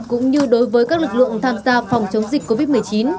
cũng như đối với các lực lượng tham gia phòng chống dịch covid một mươi chín